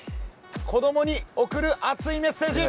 子どもに贈る熱いメッセージ。